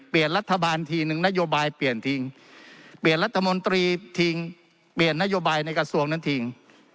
รัฐบาลทีนึงนโยบายเปลี่ยนทิ้งเปลี่ยนรัฐมนตรีทิ้งเปลี่ยนนโยบายในกระทรวงนั้นทิ้ง